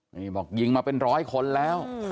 นี่บอกยิงมาเป็นร้อยคนแล้ว